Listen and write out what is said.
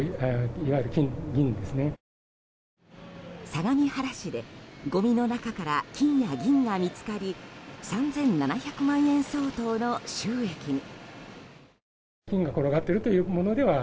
相模原市でごみの中から金や銀が見つかり３７００万円相当の収益に。